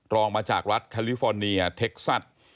รองมาจากรัฐแคลิฟอร์เนียเท็กซัส